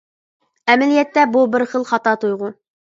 ئەمەلىيەتتە، بۇ بىر خىل خاتا تۇيغۇ.